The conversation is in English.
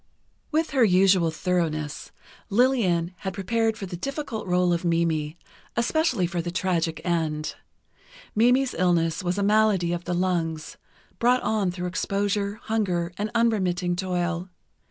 With her usual thoroughness, Lillian had prepared for the difficult rôle of Mimi, especially for the tragic end. Mimi's illness was a malady of the lungs, brought on through exposure, hunger and unremitting toil.